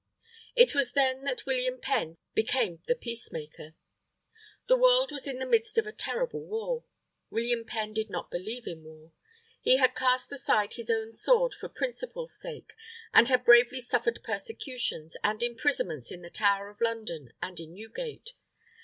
It was then that William Penn became the peacemaker. The world was in the midst of a terrible war. William Penn did not believe in war. He had cast aside his own sword for principle's sake, and had bravely suffered persecutions and imprisonments in the Tower of London and in Newgate.